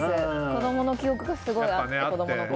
子供のころの記憶がすごいあって。